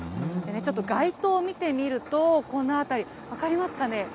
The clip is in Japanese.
ちょっとね、街灯を見てみると、この辺り、分かりますかね。